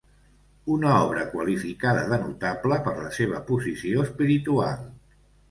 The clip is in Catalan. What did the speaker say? Una obra qualificada de notable per la seva posició espiritual.